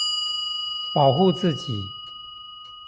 保護自己